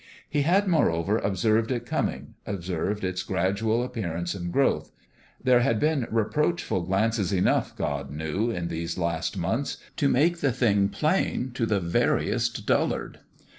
He had, moreover, observed it coming, observed its gradual appearance and growth : there had been reproachful glances enough, God knew ! in these last months to make the thing plain to the veriest dullard.